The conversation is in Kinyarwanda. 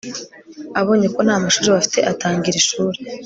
Abonye ko nta mashuri bafite atangira ishuri